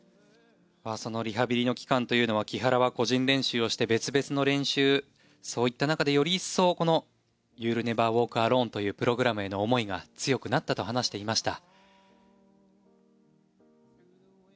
そのリハビリの期間は木原は個人練習をして別々の練習、そういった中でより一層「Ｙｏｕ’ｌｌＮｅｖｅｒＷａｌｋＡｌｏｎｅ」というプログラムへの思いが強くなったと話しました。